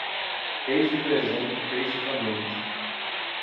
Peixe presunto, peixe faminto.